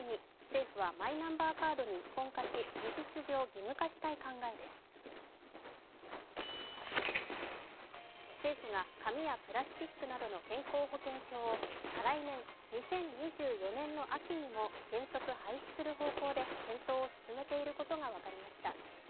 政府が紙やプラスチックなどの健康保険証を再来年、２０２４年の秋にも原則廃止する方向で検討を進めていることが分かりました。